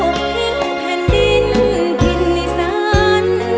ลูกทิ้งแผ่นดินทิ้งในสัน